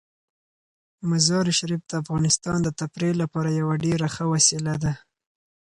مزارشریف د افغانانو د تفریح لپاره یوه ډیره ښه وسیله ده.